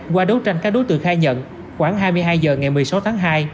qua đấu tranh các đối tượng khai nhận khoảng hai mươi hai h ngày một mươi sáu tháng hai